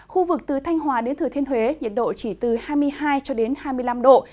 khu vực từ thanh hóa đến thừa thiên huế nhiệt độ chỉ từ hai mươi hai hai mươi năm độ